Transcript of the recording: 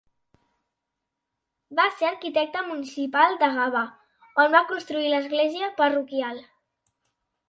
Va ser arquitecte municipal de Gavà, on va construir l'església parroquial.